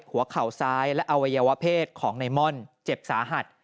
หัวเข่าซ้ายและอวัยวะเพศของในม่อนเจ็บสาหัส